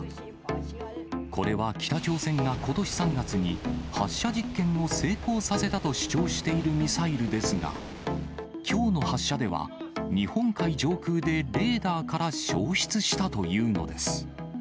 これは北朝鮮がことし３月に、発射実験を成功させたと主張しているミサイルですが、きょうの発射では、日本海上空でレーダーから消失したというのです。